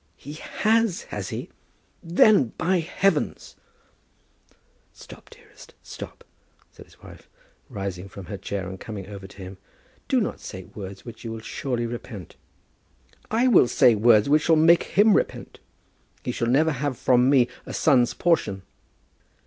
"He has, has he? Then, by heavens " "Stop, dearest; stop," said his wife, rising from her chair and coming over to him; "do not say words which you will surely repent." "I will say words which shall make him repent. He shall never have from me a son's portion."